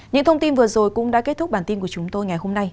những thông tin vừa rồi cũng đã kết thúc bản tin của chúng tôi ngày hôm nay